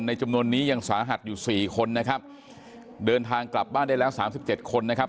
ในจำนวนนี้ยังสาหัสอยู่๔คนนะครับเดินทางกลับบ้านได้แล้ว๓๗คนนะครับ